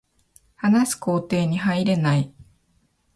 話す工程に入れない